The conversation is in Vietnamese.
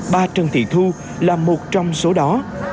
ba trần thị thu là một trong số đó